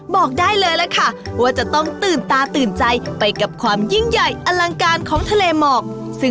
บอกได้เลยล่ะค่ะว่าจะต้องตื่นตาตื่นใจไปกับความยิ่งใหญ่อลังการของทะเลหมอก